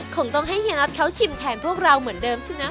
คงต้องให้เฮียน็อตเขาชิมแทนพวกเราเหมือนเดิมใช่ไหม